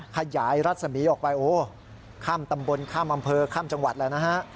ขยายรัศมีออกไปโอ้ข้ามตำบลข้ามอำเภอข้ามจังหวัดแล้วนะฮะ